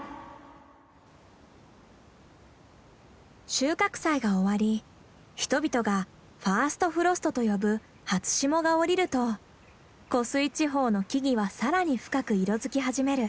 収穫祭が終わり人々がファーストフロストと呼ぶ初霜がおりると湖水地方の木々は更に深く色づき始める。